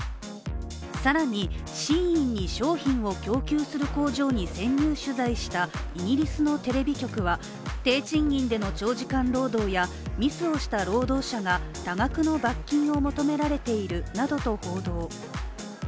更にＳＨＥＩＮに商品を供給する工場に潜入取材したイギリスのテレビ局は低賃金での長時間労働やミスをした労働者が多額の罰金を求められているなどと報道。